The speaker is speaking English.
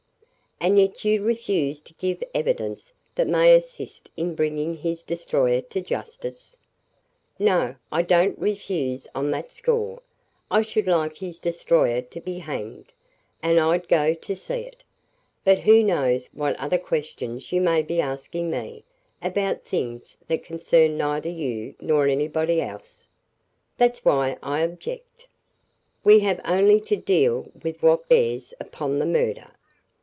"And yet you refuse to give evidence that may assist in bringing his destroyer to justice." "No; I don't refuse on that score. I should like his destroyer to be hanged, and I'd go to see it. But who knows what other questions you may be asking me, about things that concerned neither you nor anybody else? That's why I object." "We have only to deal with what bears upon the murder.